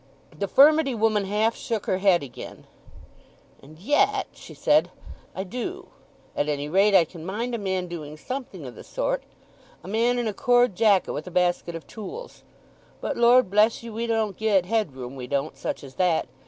The furmity woman half shook her head again. "And yet," she said, "I do. At any rate, I can mind a man doing something o' the sort—a man in a cord jacket, with a basket of tools; but, Lord bless ye, we don't gi'e it head room, we don't, such as that.